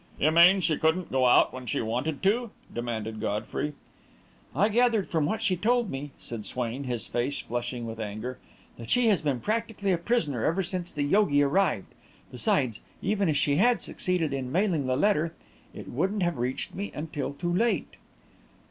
"You mean she couldn't go out when she wanted to?" demanded Godfrey. "I gathered from what she told me," said Swain, his face flushing with anger, "that she has been practically a prisoner ever since the yogi arrived. Besides, even if she had succeeded in mailing the letter, it wouldn't have reached me until too late."